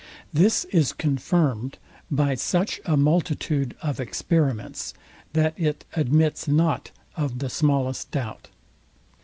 This is confirmed by such a multitude of experiments, that it admits not of the smallest doubt.